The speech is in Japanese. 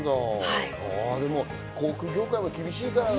航空業界も厳しいからね。